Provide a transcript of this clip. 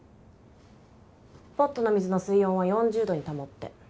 ポットの水の水温は４０度に保って。